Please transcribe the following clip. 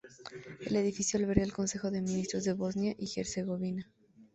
El edificio alberga el Consejo de Ministros de Bosnia y Herzegovina.